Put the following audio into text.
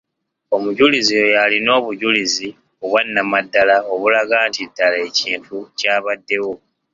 Omujulizi y'oyo alina obujulizi obwanamaddala obulaga nti ddala ekintu kyabaddewo.